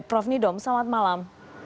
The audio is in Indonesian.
prof nidom selamat malam